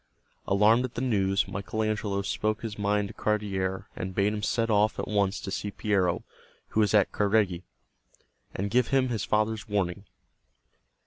Alarmed at the news Michael Angelo spoke his mind to Cardiere and bade him set off at once to see Piero, who was at Careggi, and give him his father's warning.